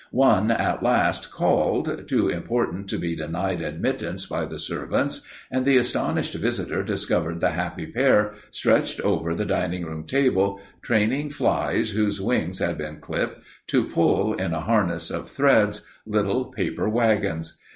One at last called, too important to be denied admittance by the servants, and the astonished visitor discovered the happy pair stretched over the dining room table, training flies whose wings had been clipped, to pull, in a harness of threads, little paper wagons!